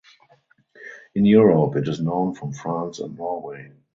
In Europe it is known from France and Norway.